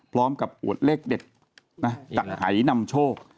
พร้อมกับอวดเลขเด็ดจัดหายนำโชค